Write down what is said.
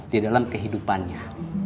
di dalam kehidupannya